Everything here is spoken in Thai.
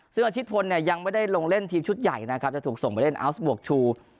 ซึ่งอาชิตพลยังไม่ได้ลงเล่นทีมชุดใหญ่จะถูกส่งไปเล่นโอ๊คส์บวกทู